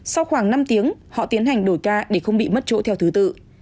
sau khoảng năm tiếng họ tiến hành đổi ca để không bị mất chỗ theo thứ tự